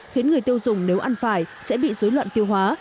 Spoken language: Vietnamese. khiến người tiêu dùng nếu ăn phải sẽ bị dối loạn tiêu hóa